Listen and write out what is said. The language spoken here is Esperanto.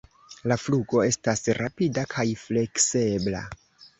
La flugo estas rapida kaj fleksebla.